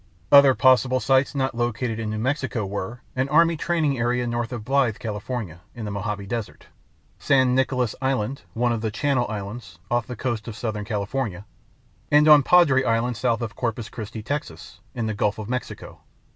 Other possible sites not located in New Mexico were: an Army training area north of Blythe, California, in the Mojave Desert; San Nicolas Island (one of the Channel Islands) off the coast of Southern California; and on Padre Island south of Corpus Christi, Texas, in the Gulf of Mexico.